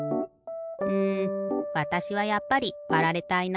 うんわたしはやっぱりわられたいな。